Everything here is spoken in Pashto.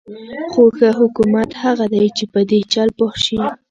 خو ښه حکومت هغه دی چې په دې چل پوه شي.